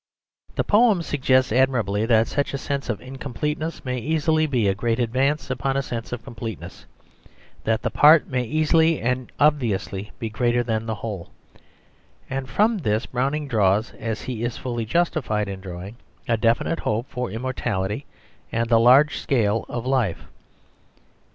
The poem suggests admirably that such a sense of incompleteness may easily be a great advance upon a sense of completeness, that the part may easily and obviously be greater than the whole. And from this Browning draws, as he is fully justified in drawing, a definite hope for immortality and the larger scale of life.